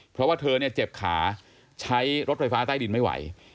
เพราะว่าเธอเนี่ยเจ็บขาใช้รถไฟฟ้าใต้ดินไม่ไหว